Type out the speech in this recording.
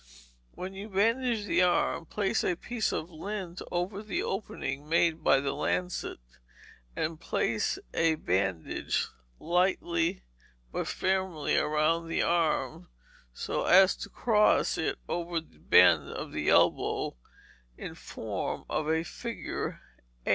When you bandage the arm, place a piece of lint over the opening made by the lancet, and pass a bandage lightly but firmly around the arm, so as to cross it over the bend of the elbow, in form of a figure 8.